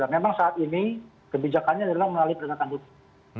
memang saat ini kebijakannya adalah melalui peringatan hukum